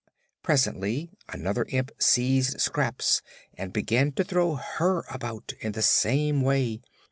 Presently another imp seized Scraps and began to throw her about, in the same way.